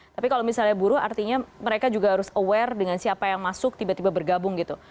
tapi kalau misalnya buruh artinya mereka juga harus aware dengan siapa yang masuk tiba tiba bergabung gitu